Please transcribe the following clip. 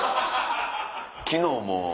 昨日も。